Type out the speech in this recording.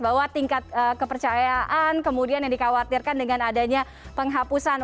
bahwa tingkat kepercayaan kemudian yang dikhawatirkan dengan adanya penghapusan